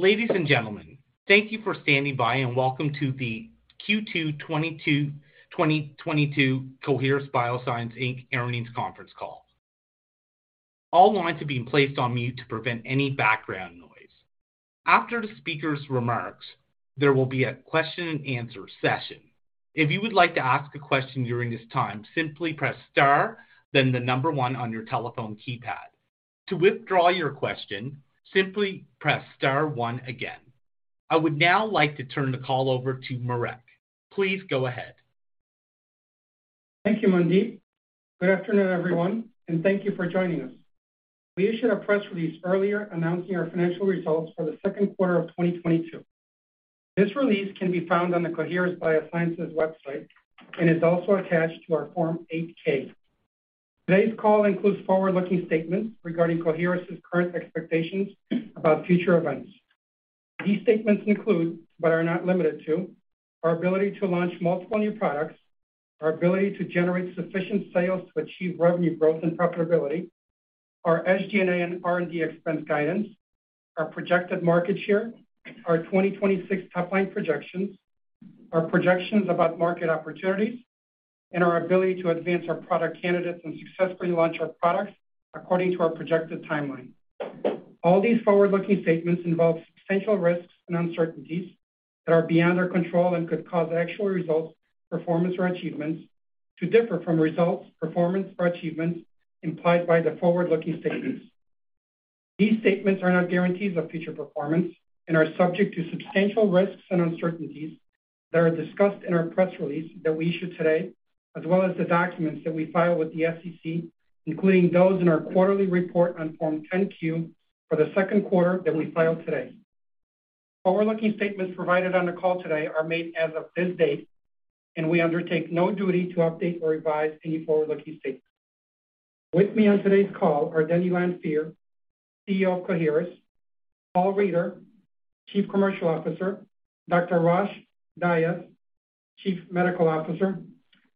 Ladies and gentlemen, thank you for standing by and welcome to the Q2 2022 Coherus BioSciences, Inc. earnings conference call. All lines are being placed on mute to prevent any background noise. After the speaker's remarks, there will be a question and answer session. If you would like to ask a question during this time, simply press star, then the number one on your telephone keypad. To withdraw your question, simply press star one again. I would now like to turn the call over to Marek. Please go ahead. Thank you, Mandeep. Good afternoon, everyone, and thank you for joining us. We issued a press release earlier announcing our financial results for the second quarter of 2022. This release can be found on the Coherus BioSciences' website and is also attached to our Form 8-K. Today's call includes forward-looking statements regarding Coherus's current expectations about future events. These statements include, but are not limited to, our ability to launch multiple new products, our ability to generate sufficient sales to achieve revenue growth and profitability, our SG&A and R&D expense guidance, our projected market share, our 2026 top-line projections, our projections about market opportunities, and our ability to advance our product candidates and successfully launch our products according to our projected timeline. All these forward-looking statements involve substantial risks and uncertainties that are beyond our control and could cause actual results, performance, or achievements to differ from results, performance, or achievements implied by the forward-looking statements. These statements are not guarantees of future performance and are subject to substantial risks and uncertainties that are discussed in our press release that we issued today, as well as the documents that we file with the SEC, including those in our quarterly report on Form 10-Q for the second quarter that we filed today. Forward-looking statements provided on the call today are made as of this date, and we undertake no duty to update or revise any forward-looking statements. With me on today's call are Denny Lanfear, CEO of Coherus, Paul Reider, Chief Commercial Officer, Dr. Rosh Dias, Chief Medical Officer,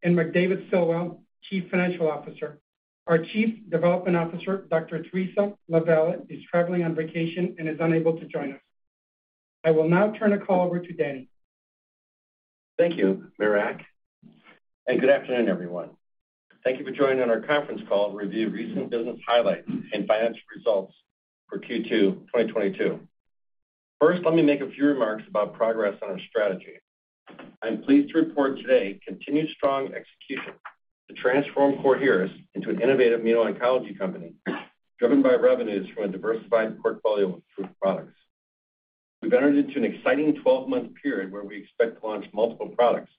and McDavid Stilwell, Chief Financial Officer. Our Chief Development Officer, Dr. Theresa LaVallee is traveling on vacation and is unable to join us. I will now turn the call over to Denny. Thank you, Marek, and good afternoon, everyone. Thank you for joining on our conference call to review recent business highlights and financial results for Q2 2022. First, let me make a few remarks about progress on our strategy. I'm pleased to report today continued strong execution to transform Coherus into an innovative immuno-oncology company driven by revenues from a diversified portfolio of approved products. We've entered into an exciting 12-month period where we expect to launch multiple products,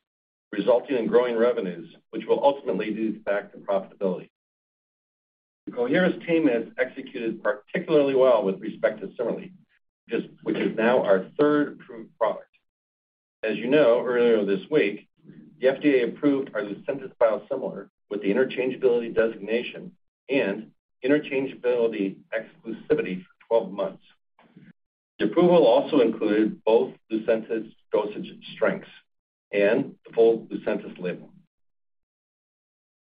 resulting in growing revenues, which will ultimately lead back to profitability. The Coherus team has executed particularly well with respect to CIMERLI, which is now our third approved product. As you know, earlier this week, the FDA approved our Lucentis biosimilar with the interchangeability designation and interchangeability exclusivity for 12 months. The approval also included both Lucentis dosage strengths and the full Lucentis label.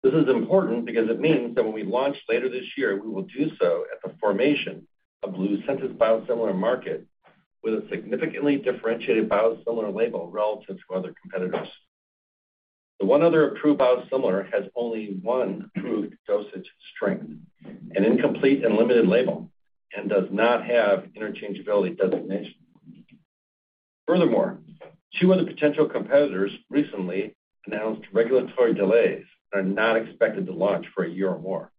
This is important because it means that when we launch later this year, we will do so at the formation of Lucentis biosimilar market with a significantly differentiated biosimilar label relative to other competitors. The one other approved biosimilar has only one approved dosage strength, an incomplete and limited label, and does not have interchangeability designation. Furthermore, two other potential competitors recently announced regulatory delays and are not expected to launch for a year or more.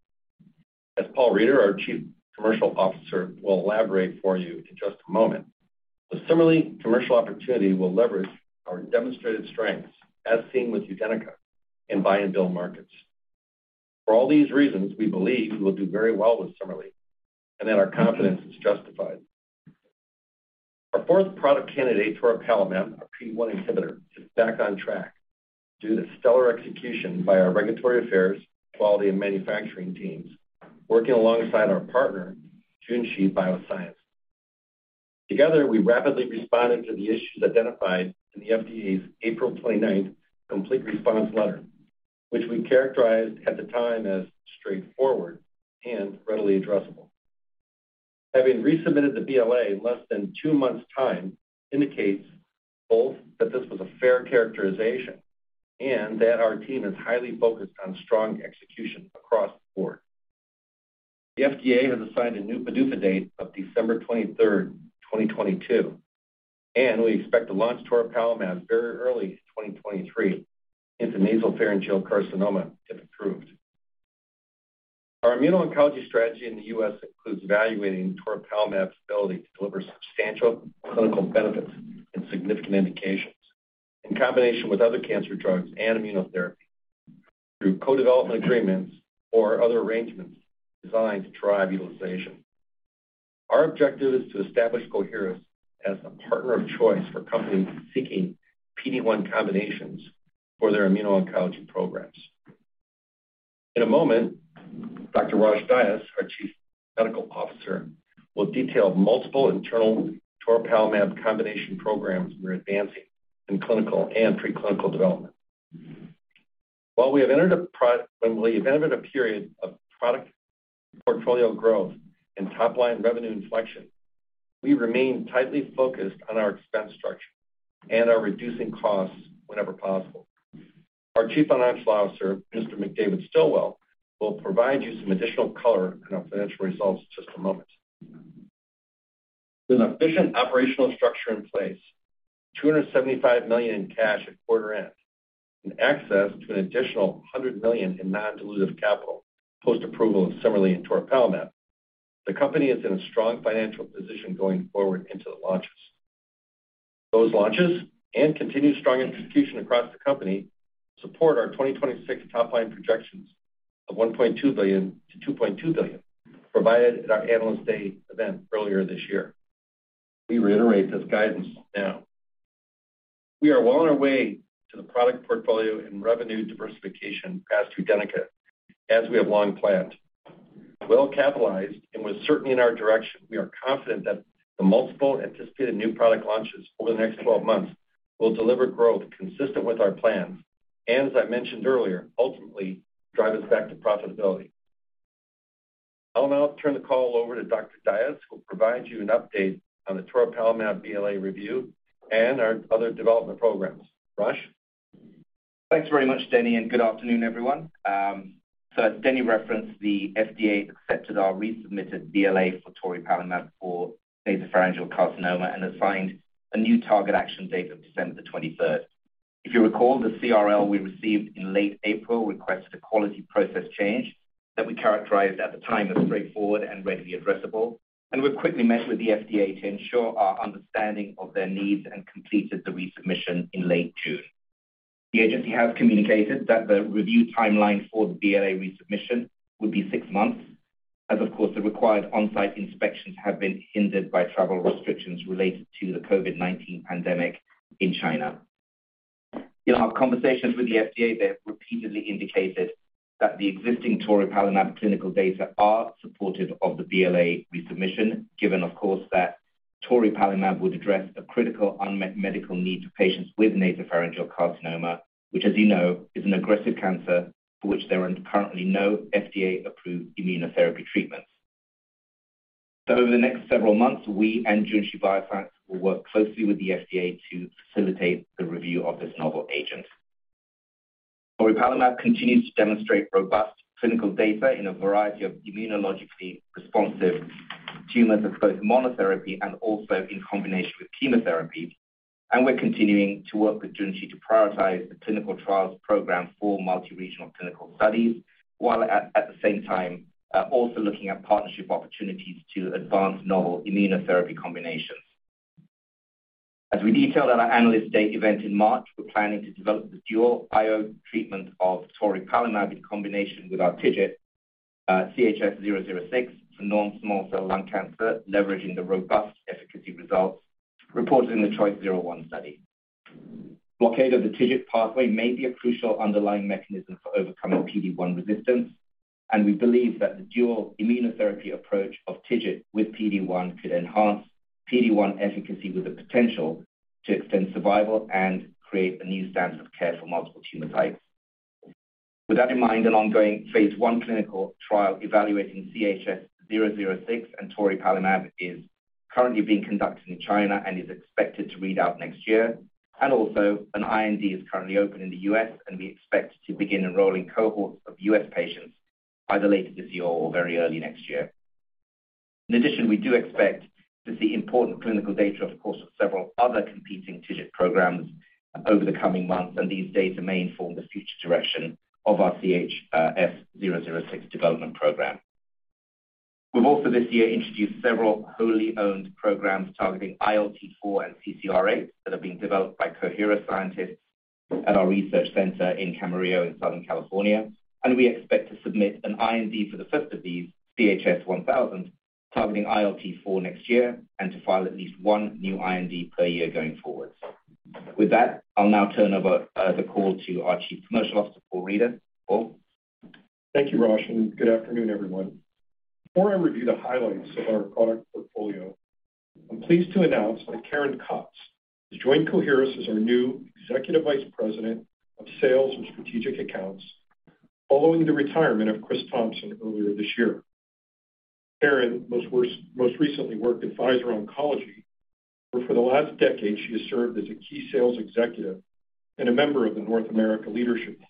As Paul Reider, our Chief Commercial Officer, will elaborate for you in just a moment, the CIMERLI commercial opportunity will leverage our demonstrated strengths as seen with UDENYCA in buy-and-bill markets. For all these reasons, we believe we will do very well with CIMERLI and that our confidence is justified. Our fourth product candidate, toripalimab, a PD-1 inhibitor, is back on track due to stellar execution by our regulatory affairs, quality, and manufacturing teams working alongside our partner, Junshi Biosciences. Together, we rapidly responded to the issues identified in the FDA's April twenty-ninth complete response letter, which we characterized at the time as straightforward and readily addressable. Having resubmitted the BLA in less than two months' time indicates both that this was a fair characterization and that our team is highly focused on strong execution across the board. The FDA has assigned a new PDUFA date of December 23, 2022, and we expect to launch toripalimab very early 2023 into nasopharyngeal carcinoma if approved. Our immuno-oncology strategy in the U.S. includes evaluating toripalimab's ability to deliver substantial clinical benefits in significant indications in combination with other cancer drugs and immunotherapy through co-development agreements or other arrangements designed to drive utilization. Our objective is to establish Coherus as the partner of choice for companies seeking PD-1 combinations for their immuno-oncology programs. In a moment, Dr. Rosh Dias, our Chief Medical Officer, will detail multiple internal toripalimab combination programs we're advancing in clinical and pre-clinical development. When we have entered a period of product portfolio growth and top-line revenue inflection, we remain tightly focused on our expense structure and are reducing costs whenever possible. Our Chief Financial Officer, Mr. McDavid Stilwell, will provide you some additional color on our financial results in just a moment. With an efficient operational structure in place, $275 million in cash at quarter end, and access to an additional $100 million in non-dilutive capital, post-approval of CIMERLI and toripalimab, the company is in a strong financial position going forward into the launches. Those launches and continued strong execution across the company support our 2026 top-line projections of $1.2 billion-$2.2 billion provided at our Analyst Day event earlier this year. We reiterate this guidance now. We are well on our way to the product portfolio and revenue diversification path to UDENYCA, as we have long planned. Well-capitalized and with certainty in our direction, we are confident that the multiple anticipated new product launches over the next 12 months will deliver growth consistent with our plans, and as I mentioned earlier, ultimately drive us back to profitability. I'll now turn the call over to Dr. Rosh Dias, who will provide you an update on the toripalimab BLA review and our other development programs. Rosh? Thanks very much, Denny, and good afternoon, everyone. As Denny referenced, the FDA accepted our resubmitted BLA for toripalimab for nasopharyngeal carcinoma and assigned a new target action date of December 23. If you recall, the CRL we received in late April requested a quality process change that we characterized at the time as straightforward and readily addressable, and we quickly met with the FDA to ensure our understanding of their needs and completed the resubmission in late June. The agency has communicated that the review timeline for the BLA resubmission would be six months as, of course, the required on-site inspections have been hindered by travel restrictions related to the COVID-19 pandemic in China. In our conversations with the FDA, they have repeatedly indicated that the existing toripalimab clinical data are supportive of the BLA resubmission, given of course, that toripalimab would address a critical unmet medical need for patients with nasopharyngeal carcinoma, which, as you know, is an aggressive cancer for which there are currently no FDA-approved immunotherapy treatments. Over the next several months, we and Junshi Biosciences will work closely with the FDA to facilitate the review of this novel agent. Toripalimab continues to demonstrate robust clinical data in a variety of immunologically responsive tumors as both monotherapy and also in combination with chemotherapy. We're continuing to work with Junshi to prioritize the clinical trials program for multi-regional clinical studies, while at the same time, also looking at partnership opportunities to advance novel immunotherapy combinations. As we detailed at our Analyst Day event in March, we're planning to develop the dual IO treatment of toripalimab in combination with our TIGIT, CHS-006, for non-small cell lung cancer, leveraging the robust efficacy results reported in the CHOICE-01 study. Blockade of the TIGIT pathway may be a crucial underlying mechanism for overcoming PD-1 resistance, and we believe that the dual immunotherapy approach of TIGIT with PD-1 could enhance PD-1 efficacy with the potential to extend survival and create a new standard of care for multiple tumor types. With that in mind, an ongoing phase I clinical trial evaluating CHS-006 and toripalimab is currently being conducted in China and is expected to read out next year. also an IND is currently open in the U.S., and we expect to begin enrolling cohorts of U.S. patients by the latest this year or very early next year. In addition, we do expect to see important clinical data, of course, of several other competing TIGIT programs over the coming months, and these data may inform the future direction of our CHS-006 development program. We've also this year introduced several wholly owned programs targeting ILT-4 and CCR8, that are being developed by Coherus scientists at our research center in Camarillo in Southern California. We expect to submit an IND for the first of these, CHS-1000, targeting ILT-4 next year and to file at least one new IND per year going forward. With that, I'll now turn over the call to our Chief Commercial Officer, Paul Reider. Paul? Thank you, Rosh, and good afternoon, everyone. Before I review the highlights of our product portfolio, I'm pleased to announce that Karen Kotz has joined Coherus as our new Executive Vice President of Sales and Strategic Accounts following the retirement of Chris Thompson earlier this year. Karen most recently worked at Pfizer Oncology, where for the last decade she has served as a key sales executive and a member of the North America leadership team.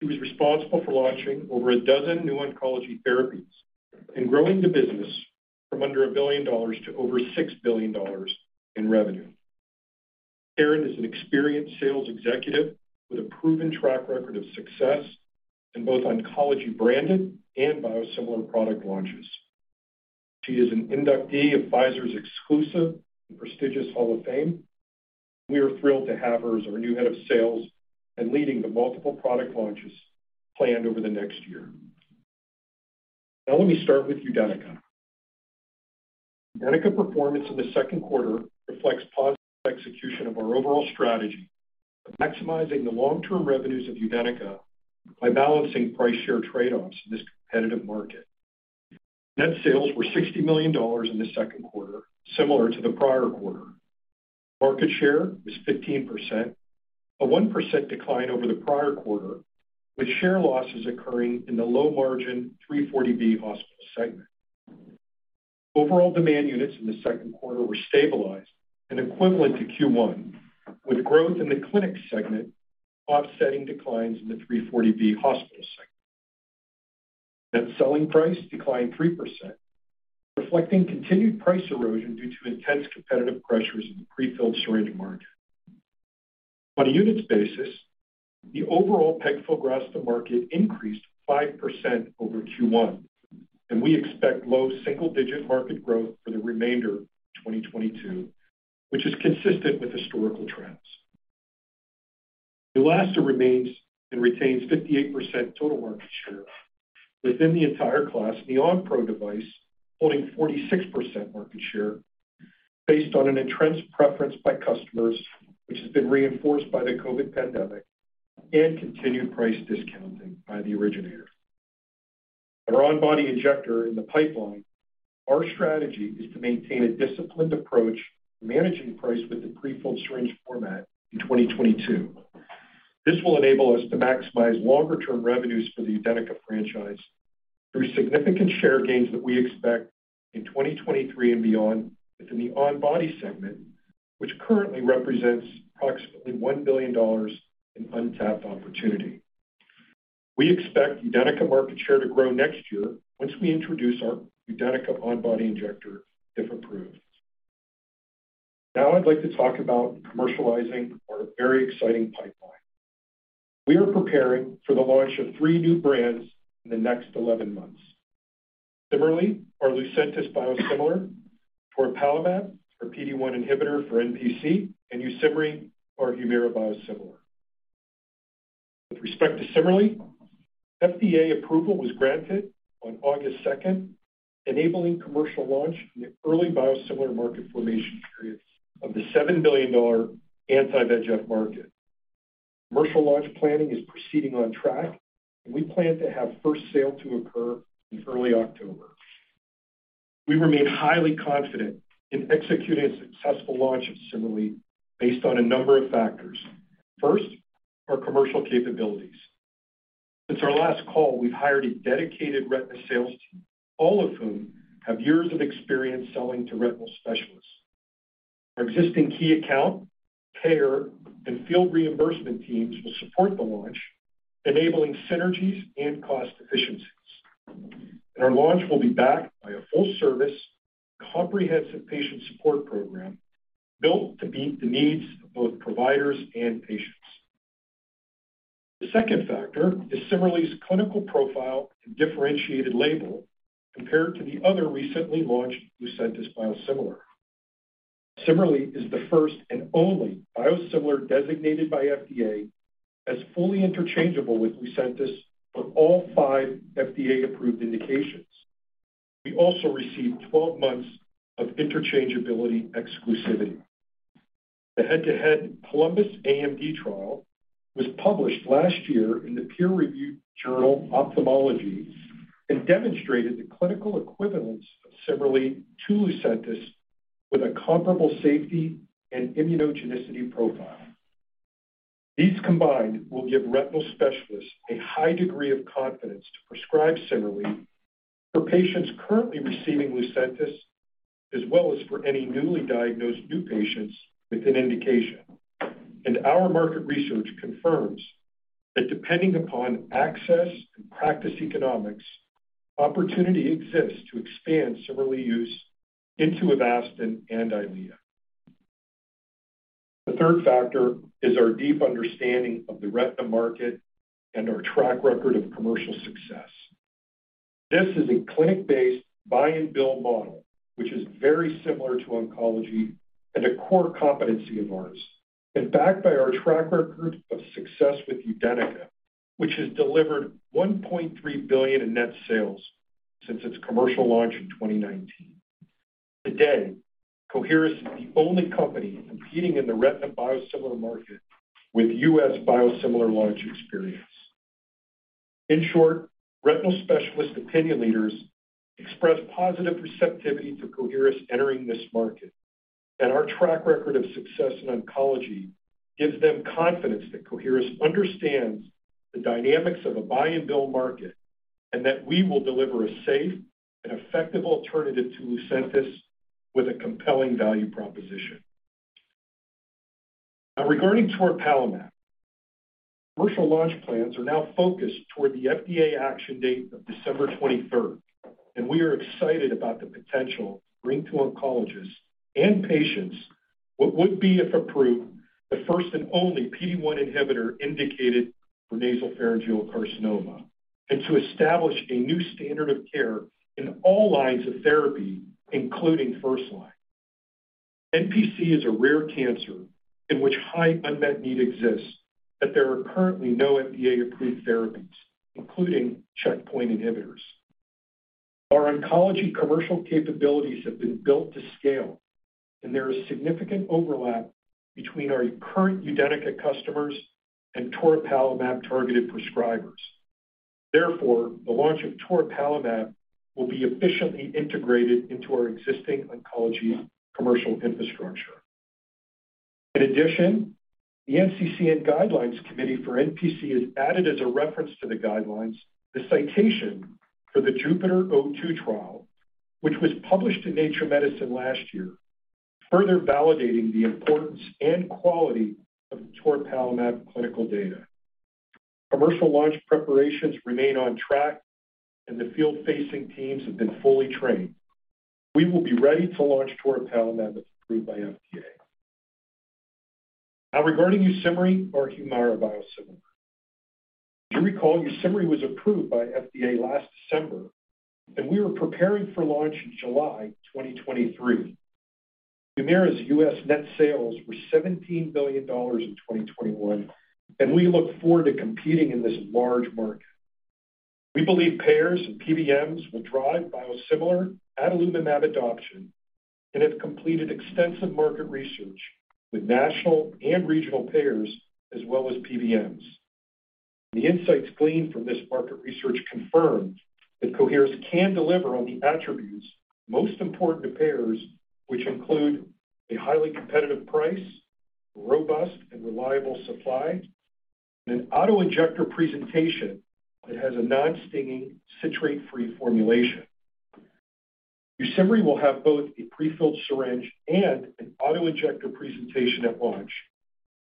She was responsible for launching over a dozen new oncology therapies and growing the business from under $1 billion to over $6 billion in revenue. Karen is an experienced sales executive with a proven track record of success in both oncology branded and biosimilar product launches. She is an inductee of Pfizer's exclusive and prestigious Hall of Fame. We are thrilled to have her as our new head of sales and leading the multiple product launches planned over the next year. Now let me start with UDENYCA. UDENYCA performance in the second quarter reflects positive execution of our overall strategy of maximizing the long-term revenues of UDENYCA by balancing price share trade-offs in this competitive market. Net sales were $60 million in the second quarter, similar to the prior quarter. Market share is 15%, a 1% decline over the prior quarter, with share losses occurring in the low-margin 340B hospital segment. Overall demand units in the second quarter were stabilized and equivalent to Q1, with growth in the clinic segment offsetting declines in the 340B hospital segment. Net selling price declined 3%, reflecting continued price erosion due to intense competitive pressures in the pre-filled syringe market. On a units basis, the overall pegfilgrastim market increased 5% over Q1, and we expect low single-digit market growth for the remainder of 2022, which is consistent with historical trends. Neulasta remains and retains 58% total market share within the entire class, the Onpro device holding 46% market share based on an entrenched preference by customers, which has been reinforced by the COVID-19 pandemic and continued price discounting by the originator. Our on-body injector in the pipeline, our strategy is to maintain a disciplined approach to managing price with the pre-filled syringe format in 2022. This will enable us to maximize longer-term revenues for the UDENYCA franchise through significant share gains that we expect in 2023 and beyond within the on-body segment, which currently represents approximately $1 billion in untapped opportunity. We expect UDENYCA market share to grow next year once we introduce our UDENYCA on-body injector, if approved. Now, I'd like to talk about commercializing our very exciting pipeline. We are preparing for the launch of three new brands in the next 11 months. Similarly, our Lucentis biosimilar, toripalimab, our PD-1 inhibitor for NPC, and YUSIMRY, our Humira biosimilar. With respect to CIMERLI, FDA approval was granted on August 2nd, enabling commercial launch in the early biosimilar market formation periods of the $7 billion anti-VEGF market. Commercial launch planning is proceeding on track, and we plan to have first sale to occur in early October. We remain highly confident in executing a successful launch of CIMERLI based on a number of factors. First, our commercial capabilities. Since our last call, we've hired a dedicated retinal sales team, all of whom have years of experience selling to retinal specialists. Our existing key account, payer, and field reimbursement teams will support the launch, enabling synergies and cost efficiencies. Our launch will be backed by a full-service, comprehensive patient support program built to meet the needs of both providers and patients. The second factor is CIMERLI's clinical profile and differentiated label compared to the other recently launched Lucentis biosimilar. CIMERLI is the first and only biosimilar designated by FDA as fully interchangeable with Lucentis for all five FDA-approved indications. We also received 12 months of interchangeability exclusivity. The head-to-head COLUMBUS-AMD trial was published last year in the peer-reviewed journal Ophthalmology and demonstrated the clinical equivalence of CIMERLI to Lucentis with a comparable safety and immunogenicity profile. These combined will give retinal specialists a high degree of confidence to prescribe CIMERLI for patients currently receiving Lucentis, as well as for any newly diagnosed new patients with an indication. Our market research confirms that depending upon access and practice economics, opportunity exists to expand CIMERLI use into Avastin and Eylea. The third factor is our deep understanding of the retinal market and our track record of commercial success. This is a clinic-based buy and bill model, which is very similar to oncology and a core competency of ours, and backed by our track record of success with UDENYCA, which has delivered $1.3 billion in net sales since its commercial launch in 2019. Today, Coherus is the only company competing in the retinal biosimilar market with U.S. biosimilar launch experience. In short, retinal specialist opinion leaders express positive receptivity to Coherus entering this market. Our track record of success in oncology gives them confidence that Coherus understands the dynamics of a buy-and-bill market and that we will deliver a safe and effective alternative to Lucentis with a compelling value proposition. Now, regarding toripalimab, commercial launch plans are now focused toward the FDA action date of December 23rd, and we are excited about the potential to bring to oncologists and patients what would be, if approved, the first and only PD-1 inhibitor indicated for nasopharyngeal carcinoma and to establish a new standard of care in all lines of therapy, including first line. NPC is a rare cancer in which high unmet need exists, but there are currently no FDA-approved therapies, including checkpoint inhibitors. Our oncology commercial capabilities have been built to scale. There is significant overlap between our current UDENYCA customers and toripalimab-targeted prescribers. Therefore, the launch of toripalimab will be efficiently integrated into our existing oncology commercial infrastructure. In addition, the NCCN Guidelines Committee for NPC is added as a reference to the guidelines, the citation for the JUPITER-02 trial, which was published in Nature Medicine last year, further validating the importance and quality of toripalimab clinical data. Commercial launch preparations remain on track, and the field-facing teams have been fully trained. We will be ready to launch toripalimab if approved by FDA. Now regarding YUSIMRY, our Humira biosimilar. You recall YUSIMRY was approved by FDA last December, and we were preparing for launch in July 2023. Humira's U.S. net sales were $17 billion in 2021, and we look forward to competing in this large market. We believe payers and PBMs will drive biosimilar adalimumab adoption and have completed extensive market research with national and regional payers as well as PBMs. The insights gleaned from this market research confirms that Coherus can deliver on the attributes most important to payers, which include a highly competitive price, robust and reliable supply, and an auto-injector presentation that has a non-stinging citrate-free formulation. YUSIMRY will have both a prefilled syringe and an auto-injector presentation at launch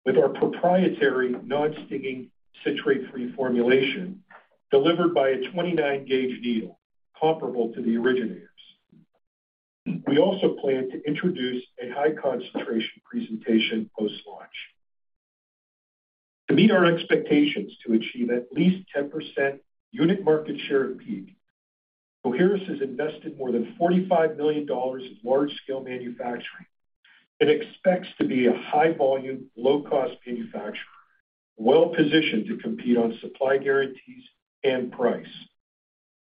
with our proprietary non-stinging citrate-free formulation delivered by a 29-gauge needle comparable to the originators. We also plan to introduce a high concentration presentation post-launch. To meet our expectations to achieve at least 10% unit market share at peak, Coherus has invested more than $45 million in large-scale manufacturing and expects to be a high volume, low cost manufacturer, well-positioned to compete on supply guarantees and price.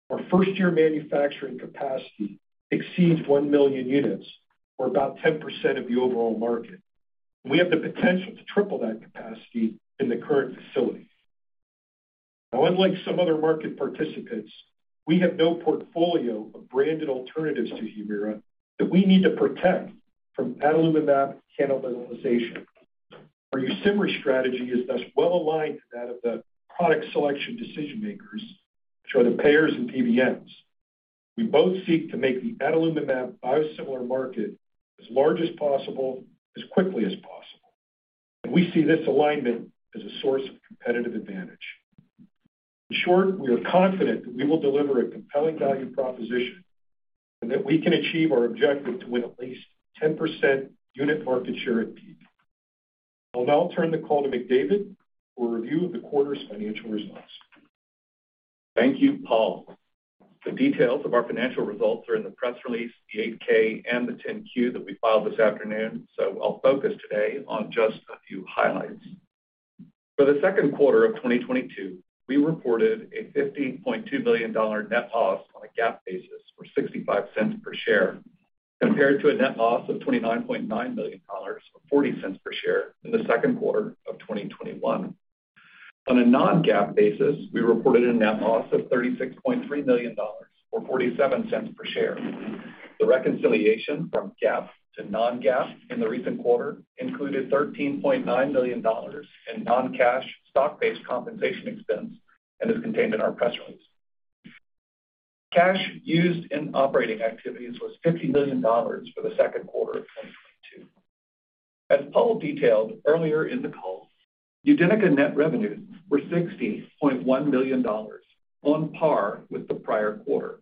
Our first-year manufacturing capacity exceeds 1 million units, or about 10% of the overall market. We have the potential to triple that capacity in the current facility. Now unlike some other market participants, we have no portfolio of branded alternatives to Humira that we need to protect from adalimumab cannibalization. Our YUSIMRY strategy is thus well aligned to that of the product selection decision makers, which are the payers and PBMs. We both seek to make the adalimumab biosimilar market as large as possible, as quickly as possible, and we see this alignment as a source of competitive advantage. In short, we are confident that we will deliver a compelling value proposition and that we can achieve our objective to win at least 10% unit market share at peak. I'll now turn the call to McDavid for a review of the quarter's financial results. Thank you, Paul. The details of our financial results are in the press release, the 8-K and the 10-Q that we filed this afternoon, so I'll focus today on just a few highlights. For the second quarter of 2022, we reported a $50.2 million net loss on a GAAP basis for $0.65 per share, compared to a net loss of $29.9 million, or $0.40 per share in the second quarter of 2021. On a non-GAAP basis, we reported a net loss of $36.3 million or $0.47 per share. The reconciliation from GAAP to non-GAAP in the recent quarter included $13.9 million in non-cash stock-based compensation expense and is contained in our press release. Cash used in operating activities was $50 million for the second quarter of 2022. As Paul detailed earlier in the call, UDENYCA net revenues were $60.1 million, on par with the prior quarter.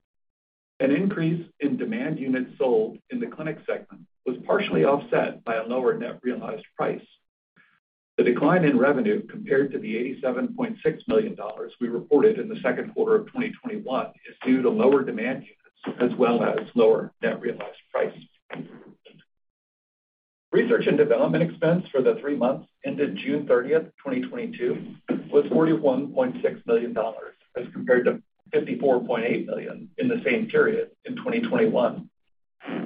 An increase in demand units sold in the clinic segment was partially offset by a lower net realized price. The decline in revenue compared to the $87.6 million we reported in the second quarter of 2021 is due to lower demand units as well as lower net realized price. Research and development expense for the three months ended June 30th, 2022 was $41.6 million, as compared to $54.8 million in the same period in 2021.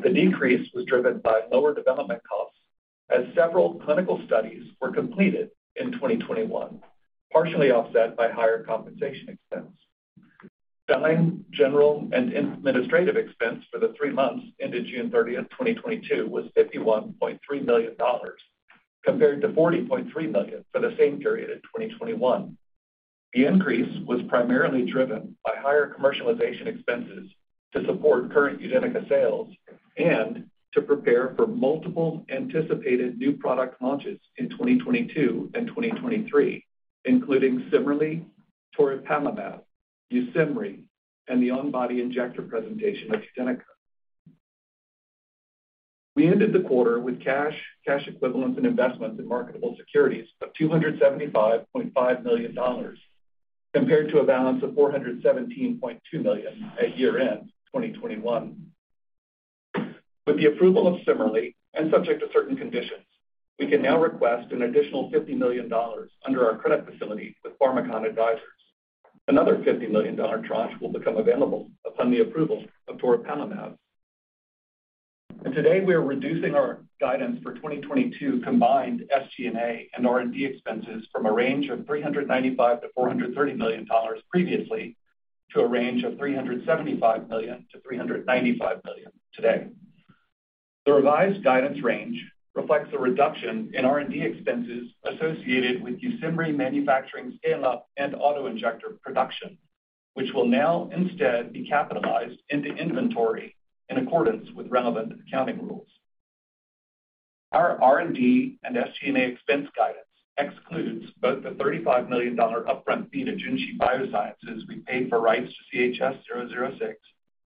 The decrease was driven by lower development costs as several clinical studies were completed in 2021, partially offset by higher compensation expense. Selling, general and administrative expense for the three months ended June 30, 2022 was $51.3 million, compared to $40.3 million for the same period in 2021. The increase was primarily driven by higher commercialization expenses to support current UDENYCA sales and to prepare for multiple anticipated new product launches in 2022 and 2023, including CIMERLI, toripalimab, YUSIMRY, and the on-body injector presentation of UDENYCA. We ended the quarter with cash, cash equivalents, and investments in marketable securities of $275.5 million, compared to a balance of $417.2 million at year-end 2021. With the approval of CIMERLI, and subject to certain conditions, we can now request an additional $50 million under our credit facility with Pharmakon Advisors. Another $50 million tranche will become available upon the approval of toripalimab. Today we are reducing our guidance for 2022 combined SG&A and R&D expenses from a range of $395 million-$430 million previously to a range of $375 million-$395 million today. The revised guidance range reflects a reduction in R&D expenses associated with YUSIMRY manufacturing scale-up and auto-injector production, which will now instead be capitalized into inventory in accordance with relevant accounting rules. Our R&D and SG&A expense guidance excludes both the $35 million upfront fee to Junshi Biosciences we paid for rights to CHS-006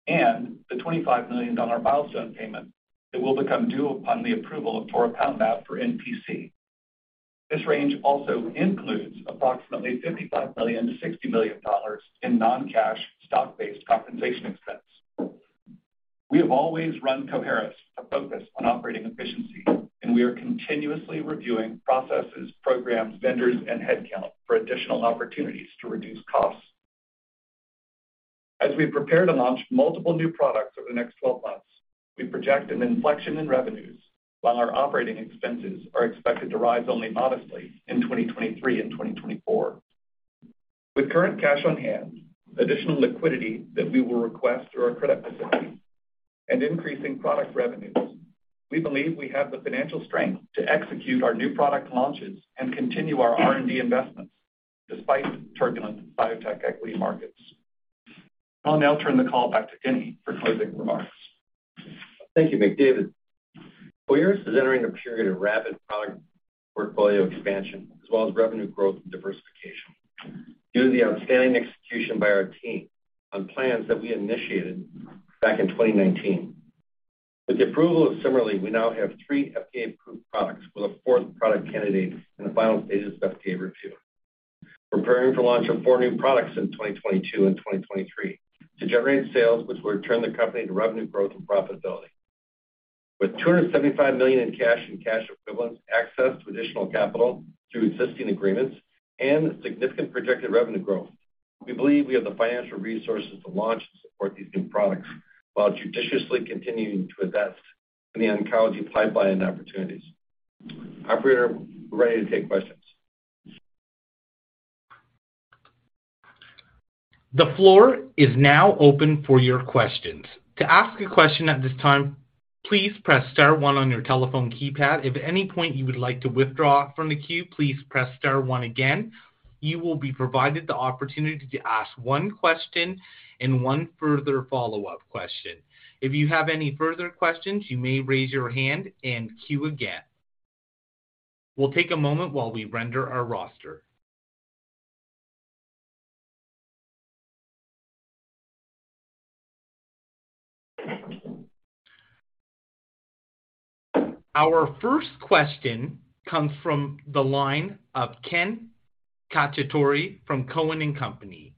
and the $25 million milestone payment that will become due upon the approval of toripalimab for NPC. This range also includes approximately $55 million-$60 million in non-cash stock-based compensation expense. We have always run Coherus to focus on operating efficiency, and we are continuously reviewing processes, programs, vendors, and headcount for additional opportunities to reduce costs. As we prepare to launch multiple new products over the next 12 months, we project an inflection in revenues while our operating expenses are expected to rise only modestly in 2023 and 2024. With current cash on hand, additional liquidity that we will request through our credit facility and increasing product revenues, we believe we have the financial strength to execute our new product launches and continue our R&D investments despite turbulent biotech equity markets. I'll now turn the call back to Denny for closing remarks. Thank you, McDavid Stilwell. Coherus is entering a period of rapid product portfolio expansion as well as revenue growth and diversification due to the outstanding execution by our team on plans that we initiated back in 2019. With the approval of CIMERLI, we now have three FDA-approved products with a fourth product candidate in the final stages of FDA review. Preparing for launch of four new products in 2022 and 2023 to generate sales, which will return the company to revenue growth and profitability. With $275 million in cash and cash equivalents, access to additional capital through existing agreements and significant projected revenue growth, we believe we have the financial resources to launch and support these new products while judiciously continuing to invest in the oncology pipeline opportunities. Operator, we're ready to take questions. The floor is now open for your questions. To ask a question at this time, please press star one on your telephone keypad. If at any point you would like to withdraw from the queue, please press star one again. You will be provided the opportunity to ask one question and one further follow-up question. If you have any further questions, you may raise your hand and queue again. We'll take a moment while we render our roster. Our first question comes from the line of Ken Cacciatore from Cowen and Company.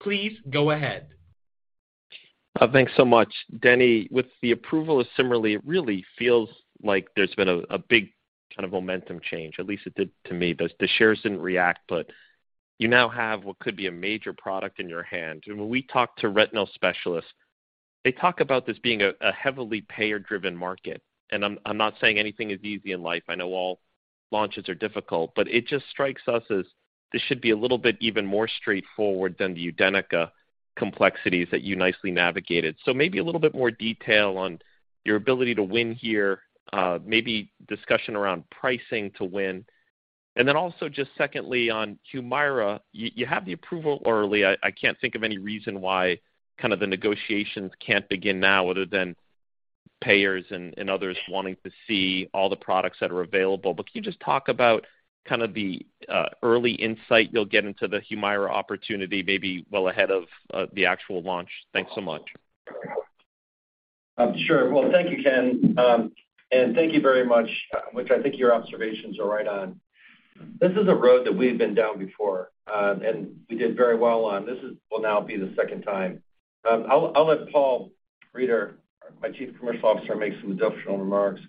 Please go ahead. Thanks so much. Denny, with the approval of CIMERLI, it really feels like there's been a big kind of momentum change, at least it did to me. The shares didn't react, but you now have what could be a major product in your hand. When we talk to retinal specialists, they talk about this being a heavily payer-driven market. I'm not saying anything is easy in life. I know all launches are difficult, but it just strikes us as this should be a little bit even more straightforward than the UDENYCA complexities that you nicely navigated. Maybe a little bit more detail on your ability to win here, maybe discussion around pricing to win. Then also just secondly, on Humira, you have the approval early. I can't think of any reason why kind of the negotiations can't begin now other than payers and others wanting to see all the products that are available. Can you just talk about kind of the early insight you'll get into the Humira opportunity, maybe well ahead of the actual launch? Thanks so much. Sure. Well, thank you, Ken. Thank you very much, which I think your observations are right on. This is a road that we've been down before, and we did very well on. This will now be the second time. I'll let Paul Reider, my Chief Commercial Officer, make some additional remarks.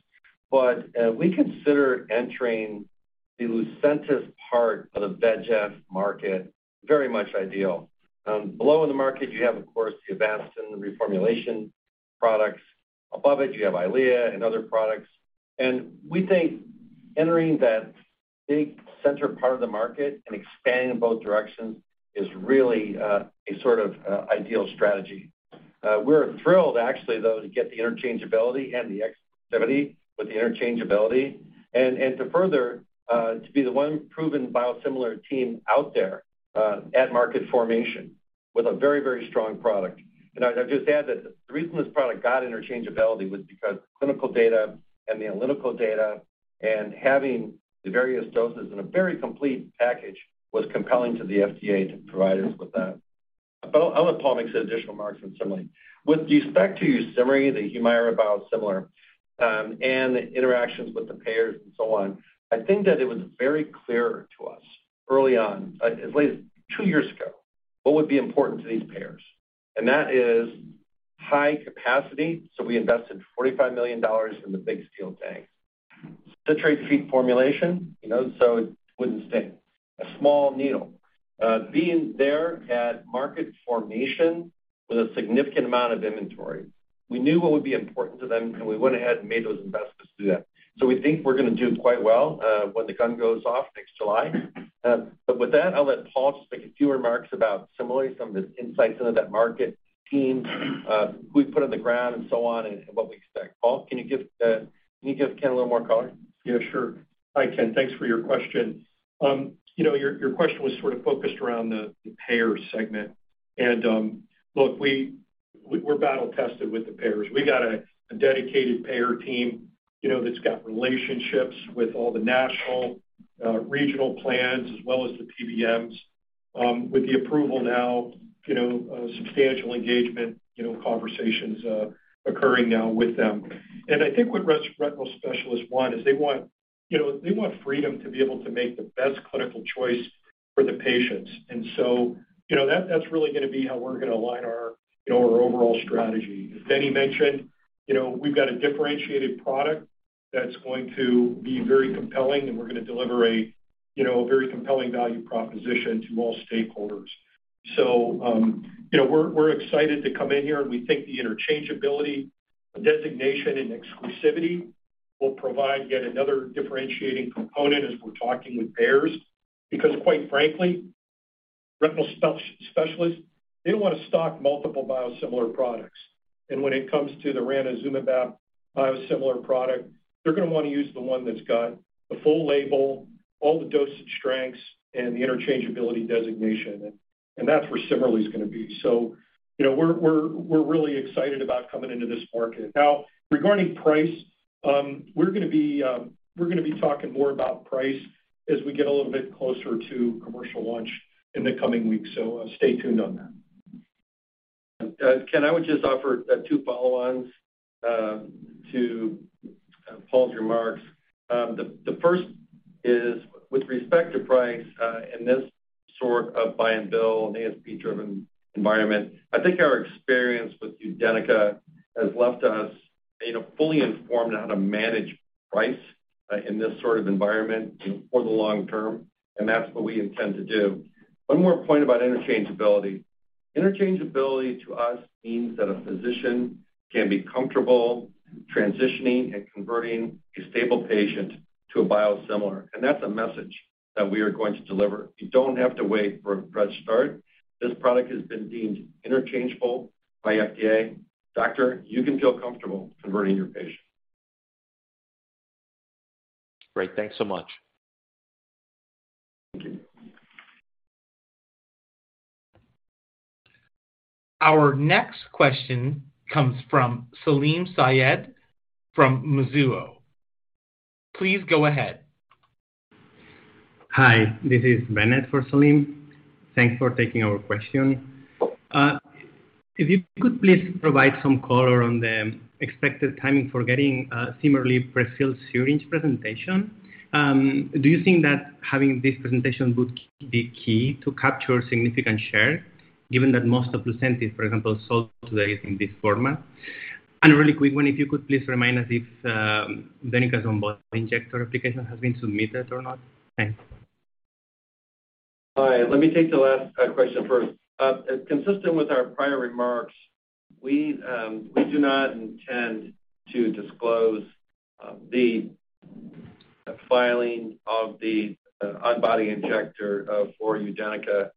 We consider entering the Lucentis part of the VEGF market very much ideal. Below in the market you have, of course, the Avastin reformulation products. Above it, you have Eylea and other products. We think entering that big center part of the market and expanding in both directions is really, a sort of, ideal strategy. We're thrilled actually, though, to get the interchangeability and the exclusivity with the interchangeability and to further to be the one proven biosimilar team out there at market formation with a very, very strong product. I'd just add that the reason this product got interchangeability was because clinical data and the analytical data and having the various doses in a very complete package was compelling to the FDA to provide us with that. I'll let Paul make some additional remarks on CIMERLI. With respect to YUSIMRY, the Humira biosimilar, and interactions with the payers and so on, I think that it was very clear to us early on, as late as two years ago, what would be important to these payers, and that is high capacity, so we invested $45 million in the big steel tank. Citrate-free formulation, you know, so it wouldn't sting. A small needle. Being there at market formation with a significant amount of inventory. We knew what would be important to them, and we went ahead and made those investments to do that. We think we're gonna do quite well when the gun goes off next July. With that, I'll let Paul just make a few remarks about similarly some of his insights into that market team who we put on the ground and so on, and what we expect. Paul, can you give Ken a little more color? Yeah, sure. Hi, Ken. Thanks for your question. You know, your question was sort of focused around the payer segment. Look, we're battle tested with the payers. We got a dedicated payer team, you know, that's got relationships with all the national regional plans as well as the PBMs, with the approval now, you know, a substantial engagement, you know, conversations occurring now with them. I think what retinal specialists want is they want, you know, freedom to be able to make the best clinical choice for the patients. You know, that's really gonna be how we're gonna align our, you know, our overall strategy. As Denny mentioned, you know, we've got a differentiated product that's going to be very compelling, and we're gonna deliver a, you know, a very compelling value proposition to all stakeholders. You know, we're excited to come in here, and we think the interchangeability designation and exclusivity will provide yet another differentiating component as we're talking with payers. Because quite frankly, retinal specialists, they don't wanna stock multiple biosimilar products. When it comes to the ranibizumab biosimilar product, they're gonna wanna use the one that's got the full label, all the dosage strengths, and the interchangeability designation. That's where CIMERLI's gonna be. You know, we're really excited about coming into this market. Now, regarding price, we're gonna be talking more about price as we get a little bit closer to commercial launch in the coming weeks, so stay tuned on that. Ken, I would just offer two follow-ons to Paul's remarks. The first is with respect to price in this sort of buy and bill and ASP-driven environment. I think our experience with UDENYCA has left us fully informed on how to manage price in this sort of environment, you know, for the long term, and that's what we intend to do. One more point about interchangeability. Interchangeability to us means that a physician can be comfortable transitioning and converting a stable patient to a biosimilar, and that's a message that we are going to deliver. You don't have to wait for a fresh start. This product has been deemed interchangeable by FDA. Doctor, you can feel comfortable converting your patient. Great. Thanks so much. Our next question comes from Salim Syed from Mizuho. Please go ahead. Hi. This is Bennett for Salim. Thanks for taking our question. If you could please provide some color on the expected timing for getting CIMERLI prefilled syringe presentation. Do you think that having this presentation would be key to capture significant share given that most of Lucentis, for example, sold today is in this format? A really quick one, if you could please remind us if UDENYCA's on-body injector application has been submitted or not? Thanks. All right. Let me take the last question first. Consistent with our prior remarks, we do not intend to disclose the filing of the on-body injector for UDENYCA.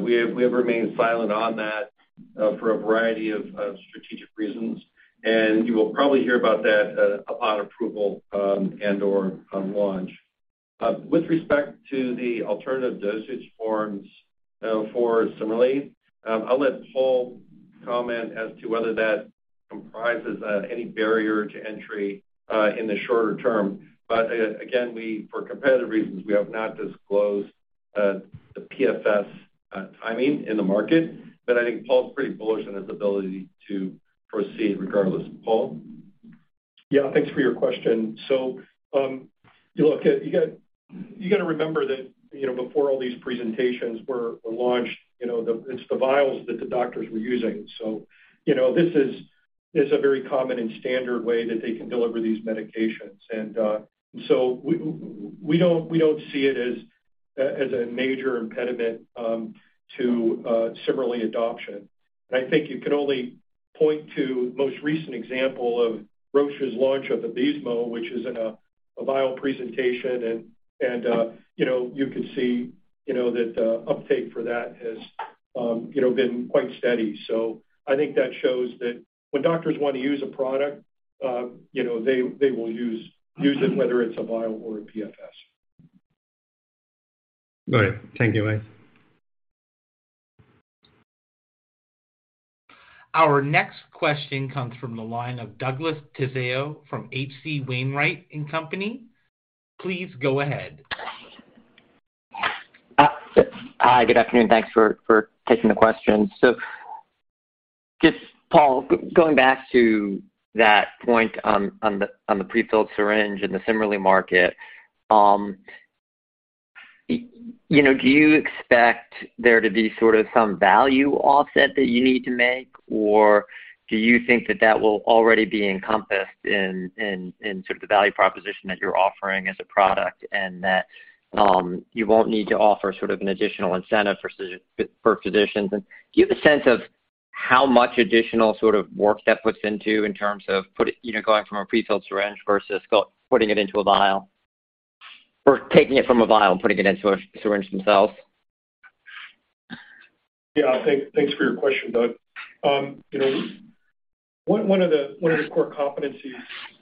We have remained silent on that for a variety of strategic reasons, and you will probably hear about that upon approval and/or on launch. With respect to the alternative dosage forms for CIMERLI, I'll let Paul comment as to whether that comprises any barrier to entry in the shorter term. Again, for competitive reasons, we have not disclosed the PFS timing in the market. I think Paul's pretty bullish on his ability to proceed regardless. Paul? Yeah. Thanks for your question. You gotta remember that, you know, before all these presentations were launched, you know, it's the vials that the doctors were using. This is a very common and standard way that they can deliver these medications. We don't see it as a major impediment to CIMERLI adoption. I think you can only point to the most recent example of Roche's launch of the Vabysmo, which is in a vial presentation. You can see that uptake for that has been quite steady. I think that shows that when doctors wanna use a product, you know, they will use it whether it's a vial or a PFS. Got it. Thank you, guys. Our next question comes from the line of Douglas Tsao from H.C. Wainwright & Co. Please go ahead. Hi. Good afternoon. Thanks for taking the questions. Just Paul, going back to that point on the prefilled syringe and the CIMERLI market. You know, do you expect there to be sort of some value offset that you need to make or do you think that will already be encompassed in sort of the value proposition that you're offering as a product and that you won't need to offer sort of an additional incentive for physicians? And do you have a sense of how much additional sort of work that puts into it in terms of, you know, going from a prefilled syringe versus putting it into a vial or taking it from a vial and putting it into a syringe themselves? Yeah, thanks for your question, Doug. You know, one of the core competencies,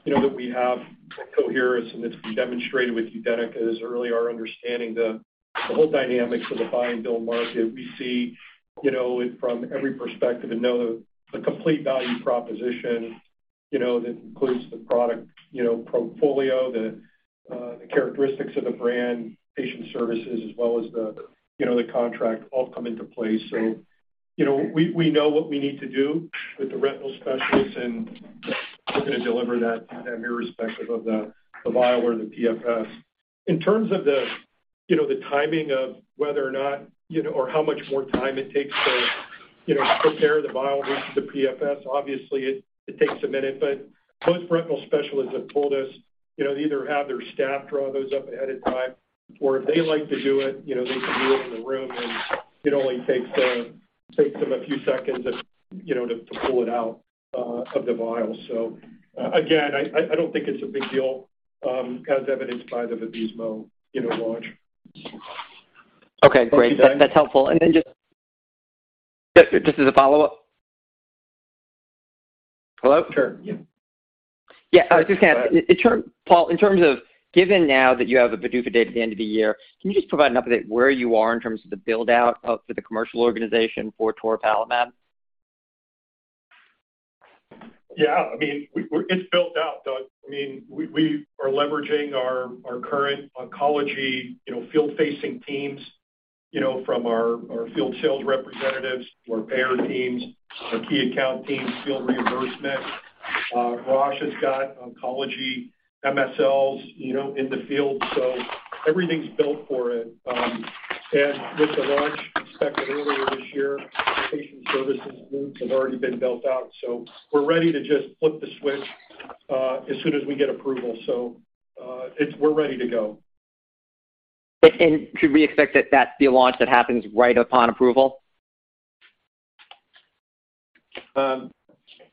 you know, that we have at Coherus, and it's been demonstrated with UDENYCA, is really our understanding the whole dynamics of the buy-and-bill market. We see, you know, it from every perspective and know the complete value proposition, you know, that includes the product portfolio, the characteristics of the brand, patient services, as well as the contract all come into play. You know, we know what we need to do with the retinal specialists, and we're gonna deliver that, irrespective of the vial or the PFS. In terms of the you know the timing of whether or not you know or how much more time it takes to, you know, prepare the vial versus the PFS, obviously it takes a minute. Most retinal specialists have told us, you know, they either have their staff draw those up ahead of time, or if they like to do it, you know, they can do it in the room, and it only takes them a few seconds, you know, to pull it out of the vial. Again, I don't think it's a big deal as evidenced by the Vabysmo, you know, launch. Okay, great. That's helpful. Just as a follow-up. Hello? Sure. Yeah. Yeah. I was just gonna ask, Paul, in terms of given now that you have a PDUFA date at the end of the year, can you just provide an update where you are in terms of the build-out of the commercial organization for toripalimab? Yeah. I mean, it's built out, Doug. I mean, we are leveraging our current oncology, you know, field-facing teams, you know, from our field sales representatives, our payer teams, our key account teams, field reimbursement. Roche has got oncology MSLs, you know, in the field, so everything's built for it. With the launch expected earlier this year, patient services groups have already been built out. We're ready to just flip the switch as soon as we get approval. We're ready to go. Should we expect that that's the launch that happens right upon approval?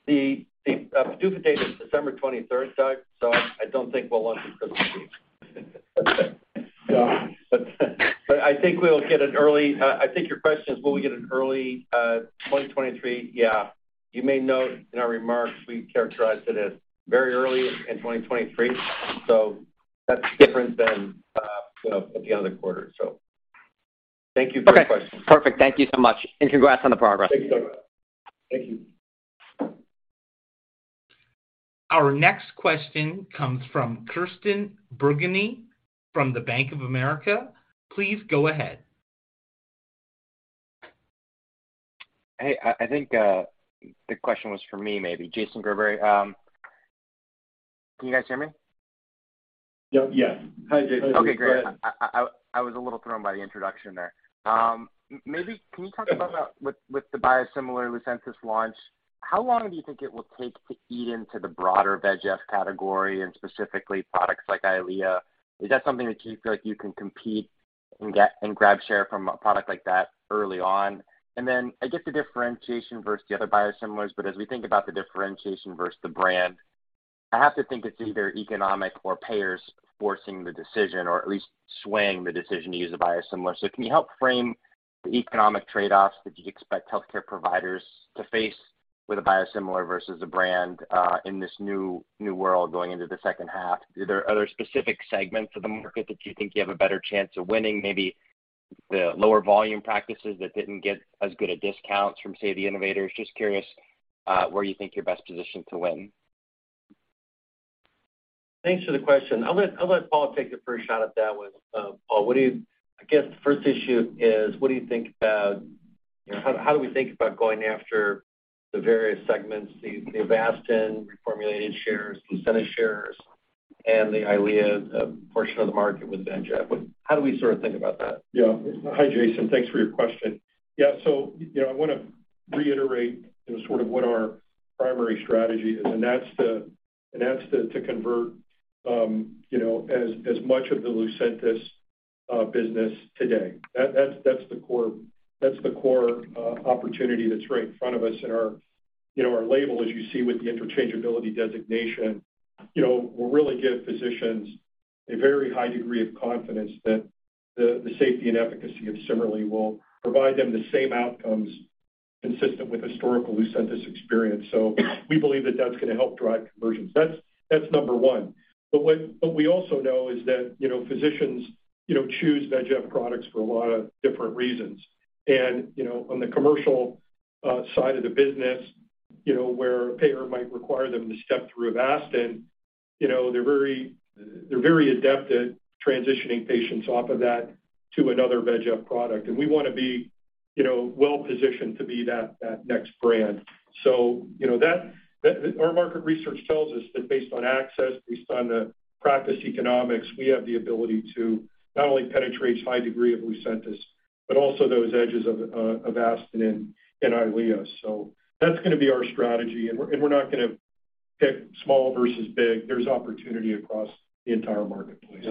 The PDUFA date is December 23rd, Doug, so I don't think we'll launch on Christmas Eve. I think your question is, will we get an early 2023? Yeah. You may note in our remarks, we characterized it as very early in 2023, so that's different than, you know, at the end of the quarter. Thank you for the question. Okay. Perfect. Thank you so much. Congrats on the progress. Thanks, Doug. Thank you. Our next question comes from Jason Gerberry from Bank of America. Please go ahead. Hey, I think the question was for me, maybe. Jason Gerberry. Can you guys hear me? Yep. Yeah. Hi, Jason. Okay, great. I was a little thrown by the introduction there. Maybe can you talk about with the biosimilar Lucentis launch, how long do you think it will take to eat into the broader VEGF category and specifically products like Eylea? Is that something that you feel like you can compete and get and grab share from a product like that early on? I get the differentiation versus the other biosimilars, but as we think about the differentiation versus the brand, I have to think it's either economic or payers forcing the decision or at least swaying the decision to use a biosimilar. Can you help frame the economic trade-offs that you expect healthcare providers to face with a biosimilar versus a brand in this new world going into the second half? Are there other specific segments of the market that you think you have a better chance of winning, maybe the lower volume practices that didn't get as good a discount from, say, the innovators? Just curious, where you think you're best positioned to win? Thanks for the question. I'll let Paul take the first shot at that one. Paul, I guess the first issue is, what do you think about, you know, how do we think about going after the various segments, the Avastin reformulated shares, Lucentis shares, and the Eylea portion of the market with VEGF? How do we sort of think about that? Yeah. Hi, Jason. Thanks for your question. Yeah. So, you know, I wanna reiterate, you know, sort of what our primary strategy is, and that's to convert, you know, as much of the Lucentis business today. That's the core opportunity that's right in front of us in our. You know, our label, as you see with the interchangeability designation, you know, will really give physicians a very high degree of confidence that the safety and efficacy of CIMERLI will provide them the same outcomes consistent with historical Lucentis experience. So we believe that that's gonna help drive conversions. That's number one. But what we also know is that, you know, physicians, you know, choose VEGF products for a lot of different reasons. You know, on the commercial side of the business, you know, where a payer might require them to step through Avastin, you know, they're very adept at transitioning patients off of that to another VEGF product. We want to be, you know, well positioned to be that next brand. You know, our market research tells us that based on access, based on the practice economics, we have the ability to not only penetrate high degree of Lucentis, but also those edges of Avastin and Eylea. That's gonna be our strategy, and we're not gonna pick small versus big. There's opportunity across the entire marketplace.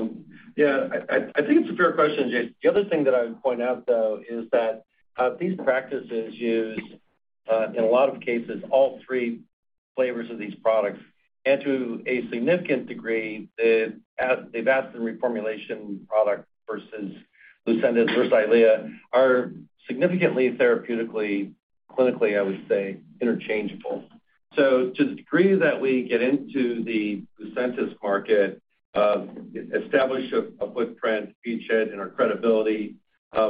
Yeah. I think it's a fair question, Jason. The other thing that I would point out, though, is that these practices use, in a lot of cases, all three flavors of these products. To a significant degree, the Avastin reformulation product versus Lucentis versus Eylea are significantly therapeutically, clinically, I would say, interchangeable. To the degree that we get into the Lucentis market, establish a footprint, a beachhead in our credibility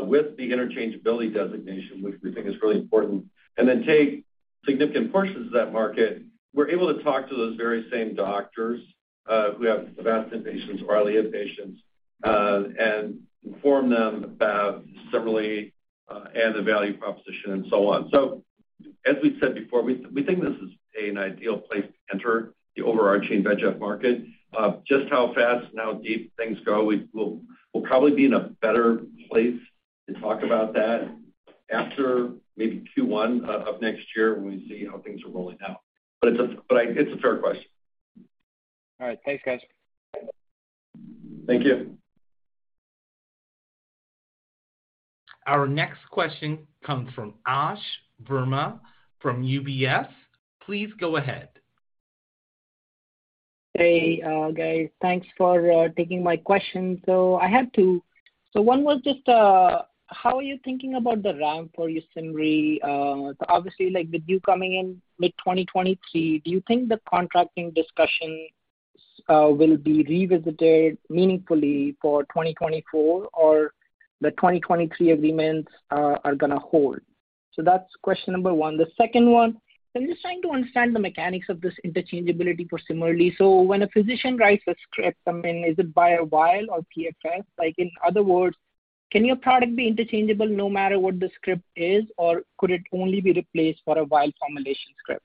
with the interchangeability designation, which we think is really important, and then take significant portions of that market, we're able to talk to those very same doctors who have Avastin patients or Eylea patients and inform them about similarly and the value proposition, and so on. As we've said before, we think this is an ideal place to enter the overarching VEGF market. Just how fast and how deep things go, we'll probably be in a better place to talk about that after maybe Q1 of next year when we see how things are rolling out. It's a fair question. All right. Thanks, guys. Thank you. Our next question comes from Ash Verma from UBS. Please go ahead. Hey, guys. Thanks for taking my question. I had two. One was just how are you thinking about the ramp for YUSIMRY? So obviously, like, with you coming in mid-2023, do you think the contracting discussions will be revisited meaningfully for 2024, or the 2023 agreements are gonna hold? That's question number one. The second one, I'm just trying to understand the mechanics of this interchangeability for CIMERLI. When a physician writes a script, I mean, is it by a vial or PFS? Like, in other words, can your product be interchangeable no matter what the script is, or could it only be replaced for a vial formulation script?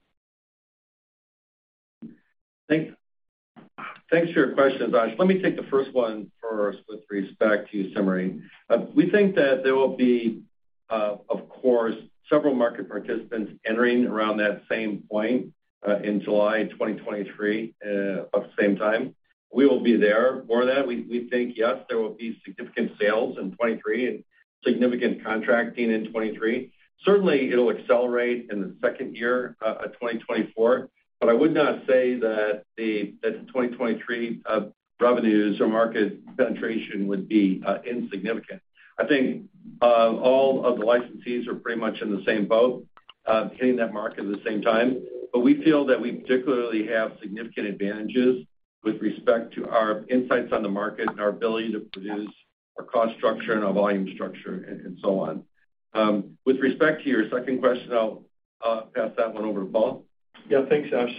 Thanks for your questions, Ash. Let me take the first one first with respect to YUSIMRY. We think that there will be, of course, several market participants entering around that same point, in July 2023, of the same time. We will be there for that. We think, yes, there will be significant sales in 2023 and significant contracting in 2023. Certainly, it'll accelerate in the second year, 2024, but I would not say that the 2023 revenues or market penetration would be insignificant. I think all of the licensees are pretty much in the same boat, hitting that market at the same time. We feel that we particularly have significant advantages with respect to our insights on the market and our ability to produce our cost structure and our volume structure and so on. With respect to your second question, I'll pass that one over to Paul. Yeah. Thanks, Ash.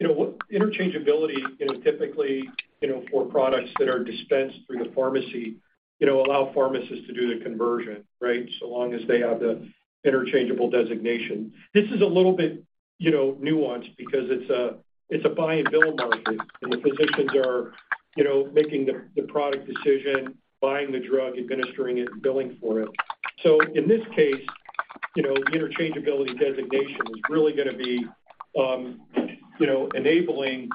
You know, what interchangeability, you know, typically, you know, for products that are dispensed through the pharmacy, you know, allow pharmacists to do the conversion, right? So long as they have the interchangeable designation. This is a little bit, you know, nuanced because it's a buy and bill market, and the physicians are, you know, making the product decision, buying the drug, administering it, and billing for it. In this case, you know, the interchangeability designation is really gonna be, you know, enabling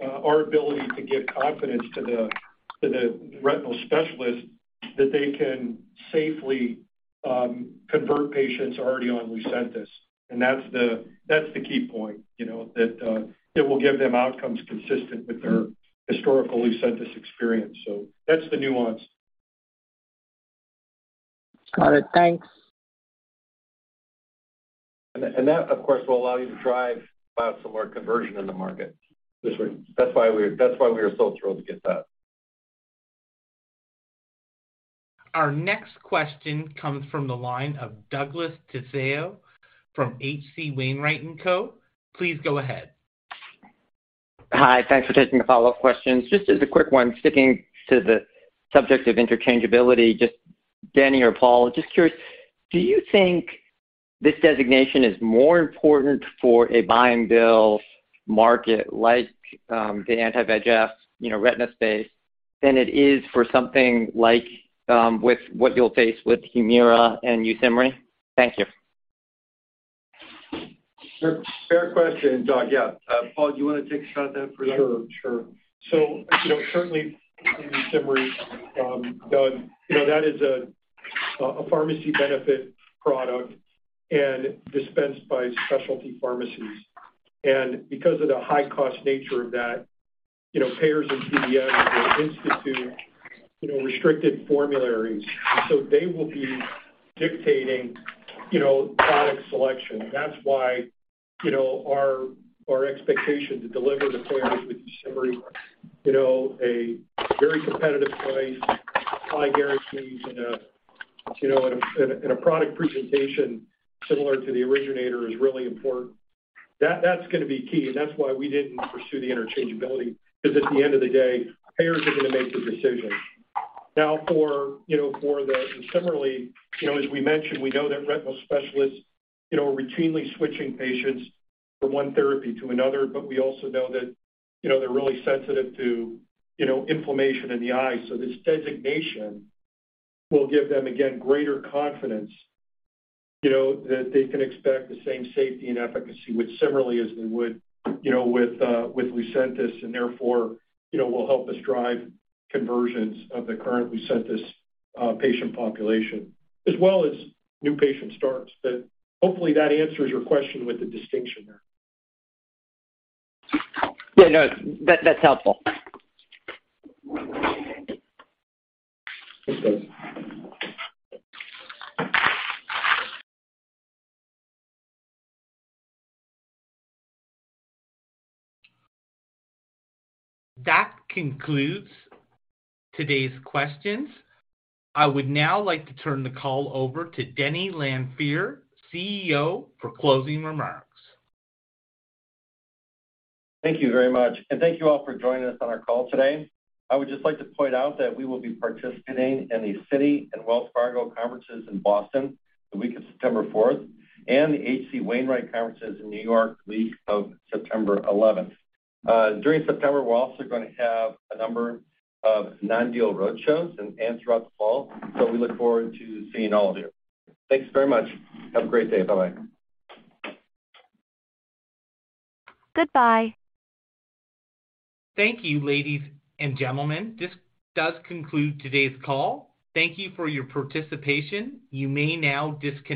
our ability to give confidence to the retinal specialist that they can safely convert patients already on Lucentis. That's the key point, you know, that it will give them outcomes consistent with their historical Lucentis experience. That's the nuance. Got it. Thanks. That, of course, will allow you to drive, have some more conversion in the market. That's right. That's why we are so thrilled to get that. Our next question comes from the line of Douglas Tsao from H.C. Wainwright & Co. Please go ahead. Hi. Thanks for taking the follow-up questions. Just as a quick one, sticking to the subject of interchangeability, just Denny or Paul, just curious, do you think this designation is more important for a buy-and-bill market like, the anti-VEGF, you know, retina space than it is for something like, with what you'll face with Humira and YUSIMRY? Thank you. Fair question, Doug. Yeah. Paul, do you wanna take a shot at that first? Sure, sure. You know, certainly in YUSIMRY, Doug, you know, that is a pharmacy benefit product and dispensed by specialty pharmacies. Because of the high-cost nature of that, you know, payers and PBMs will institute, you know, restricted formularies. They will be dictating, you know, product selection. That's why, you know, our expectation to deliver the payers with YUSIMRY, you know, a very competitive price, high guarantees and, you know, and a product presentation similar to the originator is really important. That's gonna be key, and that's why we didn't pursue the interchangeability, because at the end of the day, payers are gonna make the decision. Similarly, you know, as we mentioned, we know that retinal specialists, you know, are routinely switching patients from one therapy to another, but we also know that, you know, they're really sensitive to, you know, inflammation in the eye. So this designation will give them, again, greater confidence, you know, that they can expect the same safety and efficacy, which similarly as they would, you know, with with Lucentis and therefore, you know, will help us drive conversions of the current Lucentis patient population, as well as new patient starts. Hopefully, that answers your question with the distinction there. Yeah, no, that's helpful. That concludes today's questions. I would now like to turn the call over to Denny Lanfear, CEO, for closing remarks. Thank you very much, and thank you all for joining us on our call today. I would just like to point out that we will be participating in the Citi and Wells Fargo conferences in Boston the week of September 4th and the H.C. Wainwright conferences in New York the week of September 11th. During September, we're also gonna have a number of non-deal roadshows and throughout the fall, so we look forward to seeing all of you. Thanks very much. Have a great day. Bye-bye. Goodbye. Thank you, ladies and gentlemen. This does conclude today's call. Thank you for your participation. You may now disconnect.